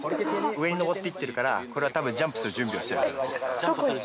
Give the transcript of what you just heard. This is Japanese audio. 上に登って行ってるからこれは多分ジャンプする準備をしてる。